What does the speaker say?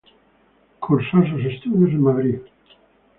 Cursó sus estudios en Madrid.